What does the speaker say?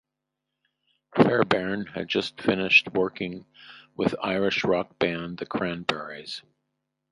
Fairbairn had just finished working with Irish rock band, The Cranberries.